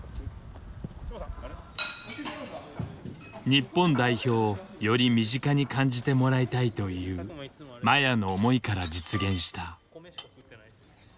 日本代表をより身近に感じてもらいたいという麻也の思いから実現した。